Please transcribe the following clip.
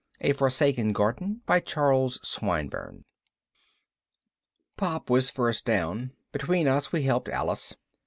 _ A Forsaken Garden, by Charles Swinburne Pop was first down. Between us we helped Alice.